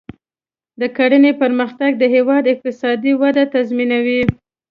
د کرنې پرمختګ د هیواد اقتصادي وده تضمینوي.